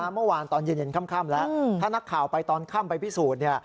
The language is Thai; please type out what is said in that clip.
เมื่อวานตอนเย็นค่ำแล้วถ้านักข่าวไปตอนค่ำไปพิสูจน์